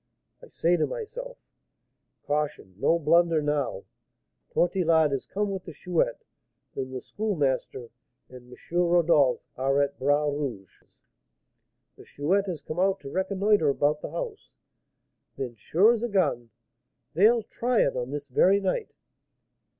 I say to myself, 'Caution! no blunder now! Tortillard has come with the Chouette; then the Schoolmaster and M. Rodolph are at Bras Rouge's. The Chouette has come out to reconnoitre about the house; then, sure as a gun, they'll "try it on" this very night!